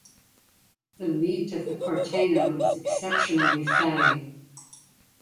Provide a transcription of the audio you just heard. The meat of the Corteno is exceptionally fatty.